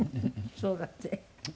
そうだって。